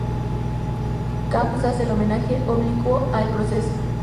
Camus hace un homenaje oblicuo a "El proceso".